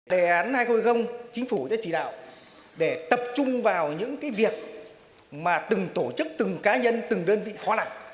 đề án hai nghìn hai mươi chính phủ sẽ chỉ đạo để tập trung vào những cái việc mà từng tổ chức từng cá nhân từng đơn vị khó nặng